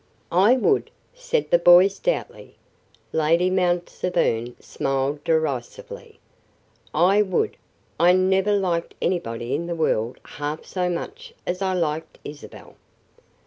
"I would," said the boy, stoutly. Lady Mount Severn smiled derisively. "I would. I never liked anybody in the world half so much as I liked Isabel."